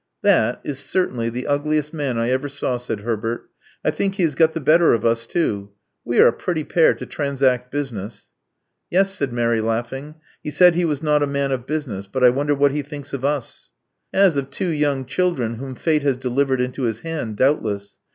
'*That is certainly the ugliest man I ever saw," said Herbert. '*I think he has got the better of us, too. We are a pretty pair to transact business." Yes," said Mary, laughing. He said he was not a man of business; but I wonder what he thinks of us." As of two young children whom fate has delivered into his hand, doubtless.